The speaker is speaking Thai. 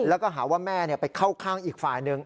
แล้วก็หาว่าแม่ไปเข้าข้างอีกฝ่ายหนึ่ง